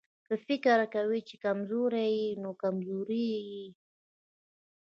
که فکر کوې چې کمزوری يې نو کمزوری يې.